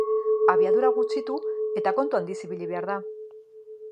Abiadura gutxitu eta kontu handiz ibili behar da.